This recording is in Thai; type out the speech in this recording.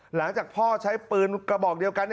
หลังจากพ่อใช้ปืนกระบอกเดียวกัน